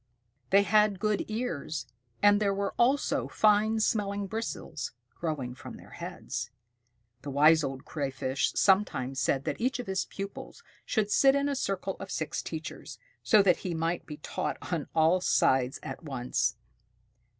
They had good ears, and there were also fine smelling bristles growing from their heads. The Wise Old Crayfish sometimes said that each of his pupils should sit in a circle of six teachers, so that he might be taught on all sides at once.